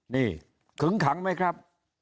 นี่ขึงขังไหมครับ